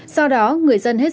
sau đó người dân hết sức